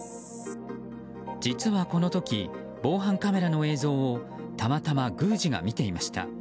実はこの時、防犯カメラの映像をたまたま宮司が見ていました。